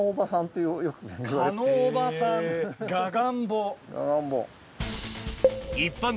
蚊のおばさんガガンボ。